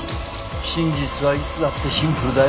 真実はいつだってシンプルだよ。